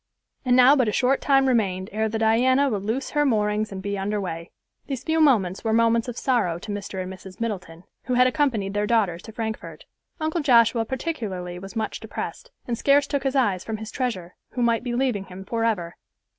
And now but a short time remained ere the Diana would loose her moorings and be under way. These few moments were moments of sorrow to Mr. and Mrs. Middleton, who had accompanied their daughters to Frankfort. Uncle Joshua particularly was much depressed, and scarce took his eyes from his treasure, who might be leaving him forever.